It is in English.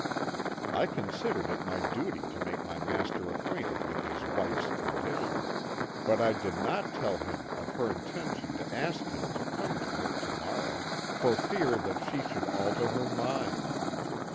"I considered it my duty to make my master acquainted with his wife's condition, but I did not tell him of her intention to ask him to come to her to morrow for fear that she should alter her mind.